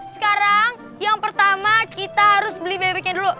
sekarang yang pertama kita harus beli bebeknya dulu